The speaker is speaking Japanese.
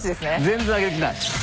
全然上げる気ない。